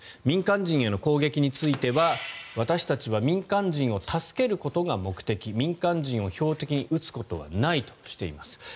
民間人への攻撃については私たちは民間人を助けることが目的民間人を標的に撃つことはないとしています。